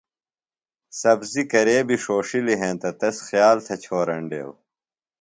سبزیۡ کرے بیۡ ݜوݜِلیۡ ہینتہ تس خیال تھےۡ چھورینڈیوۡ۔